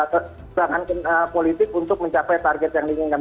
keserangan politik untuk mencapai target yang diinginkan